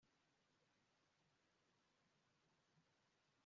uretse kumva ko byanga byakunda wasanga ari mama upfuye